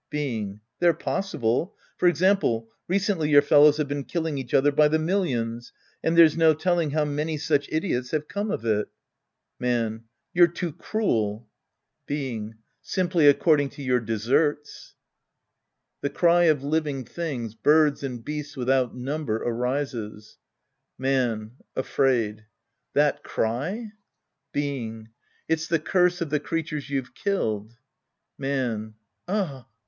Being. They're possible. For example, recently your fellows have been killing each other by the millions^and there's no telling how many such idiots have come of jt. Man. You're too cruel. Ind. The Priest and His Disciples 9 Being. Simply according to your deserts. {^he cry of living things, birds and beasts tvithout number, arises^ Man {afraid). That ciy ? Being. It's the curse of the creatures you've killed. Man. Ah.